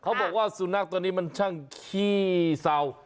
เขาบอกว่าสุนัขตัวนี้มันช่างขี้เศร้า